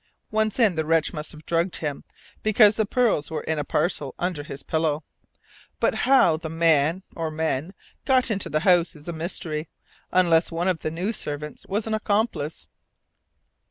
Once in, the wretch must have drugged him, because the pearls were in a parcel under his pillow. But how the man or men got into the house is a mystery, unless one of the new servants was an accomplice.